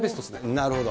なるほど。